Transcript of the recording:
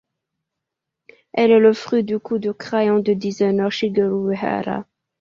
Elle est le fruit du coup de crayon du designer Shigeru Uehara.